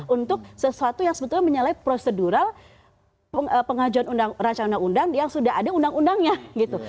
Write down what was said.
untuk sesuatu yang sebetulnya menyalahi prosedural pengajuan rancang undang undang yang sudah ada undang undangnya gitu